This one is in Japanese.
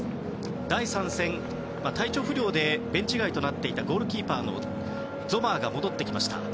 第３戦、体調不良でベンチ外となっていたゴールキーパーのゾマーが戻ってきました。